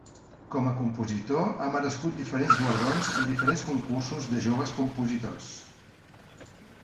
Com a compositor ha merescut diferents guardons en diferents concursos de joves compositors.